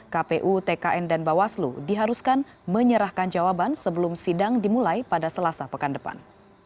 kpu tkn dan bawaslu diharuskan menyerahkan jawaban sebelum sidang dimulai pada selasa pekan depan